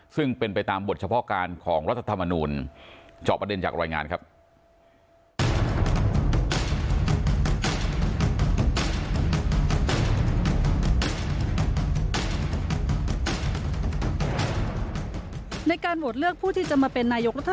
ซึ่งเป็นไปตามบทเฉพาะการของรัฐธรรมานูน